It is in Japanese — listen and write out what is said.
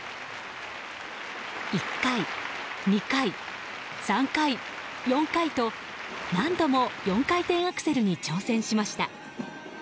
１回、２回、３回、４回と何度も４回転アクセルに挑戦しました。